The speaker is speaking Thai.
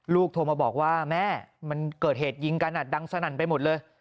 โทรมาบอกว่าแม่มันเกิดเหตุยิงกันดังสนั่นไปหมดเลย